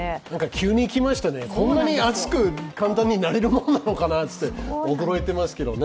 急に来ましたね、こんなに暑く簡単になれるものなのかなって、驚いていますけどね。